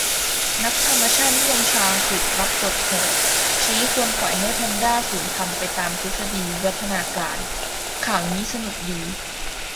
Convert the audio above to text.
นักธรรมชาตินิยมชาวอังกฤษรับบทโหด ชี้ควรปล่อยให้"แพนดา"สูญพันธุ์ไปตามทฤษฎีวิวัฒนาการ ข่าวนี้สนุกดี